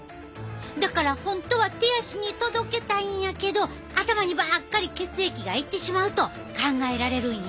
だから本当は手足に届けたいんやけど頭にばっかり血液が行ってしまうと考えられるんや。